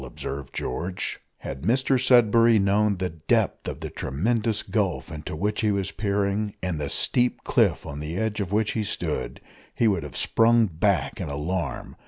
observed George. Had Mr Sudberry known the depth of the tremendous gulf into which he was peering, and the steep cliff on the edge of which he stood, he would have sprung back in alarm.